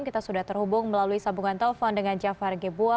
kita sudah terhubung melalui sambungan telepon dengan jafar gebua